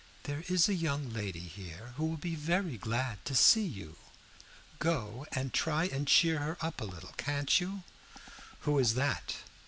"There is a young lady here who will be very glad to see you. Go and try and cheer her up a little, can't you?" "Who is that?"